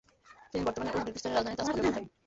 তিনি বর্তমান উজবেকিস্তানের রাজধানী তাসখন্দে পৌছান।